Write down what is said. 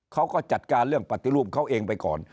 เขาก็จัดการเรื่องปฏิรูปเขาเองไปก่อน